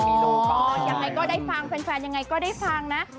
งั้นอย่างให้ก็ได้ฟังเฟรนอย่างไงก็ได้ฟังนะ